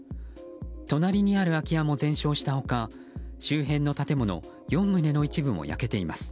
隣にある空き家も全焼した他周辺の建物４棟の一部も焼けています。